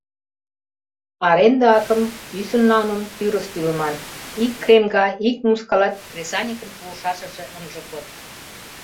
Аренде акым, кӱсын налмым тӱрыс тӱлыман: ик кремга ик мускалат кресаньыкын пуышашыже ынже код.